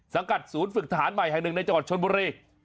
กัดศูนย์ฝึกทหารใหม่แห่งหนึ่งในจังหวัดชนบุรี